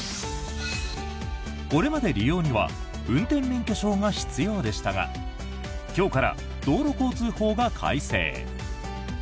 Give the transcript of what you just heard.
これまで利用には運転免許証が必要でしたが今日から道路交通法が改正。